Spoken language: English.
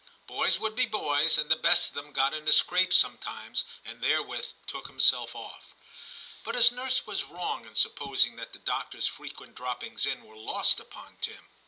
Boys would be boys, and the best of them got into scrapes sometimes, and therewith took himself off. But his nurse was wrong in supposing that the doctor s frequent droppings in were lost upon Tim.